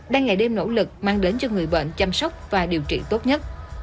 đang ngày đêm nỗ lực mang đến cho người bệnh chăm sóc và điều trị tốt nhất